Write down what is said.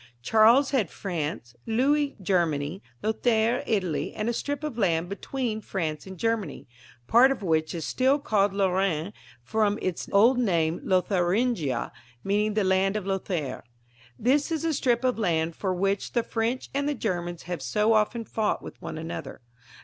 Charles had France, Louis Germany, Lothaire Italy and a strip of land between France and Germany, part of which is still called Lorraine from its old name Lotharingia, meaning the land of Lothaire. This is the strip of land for which the French and the Germans have so often fought with one another.